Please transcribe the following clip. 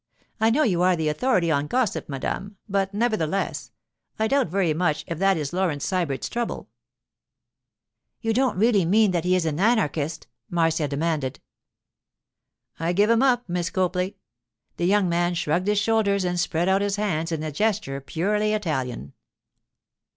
I know you are the authority on gossip, madame, but, nevertheless, I doubt very much if that is Laurence Sybert's trouble.' 'You don't really mean that he is an anarchist?' Marcia demanded. 'I give him up, Miss Copley.' The young man shrugged his shoulders and spread out his hands in a gesture purely Italian.